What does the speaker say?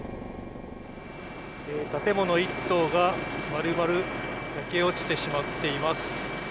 建物１棟が丸々焼け落ちてしまっています。